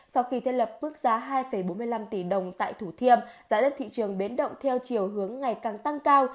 sau khi thiết lập mức giá hai bốn mươi năm tỷ đồng tại thủ thiêm giá đất thị trường biến động theo chiều hướng ngày càng tăng cao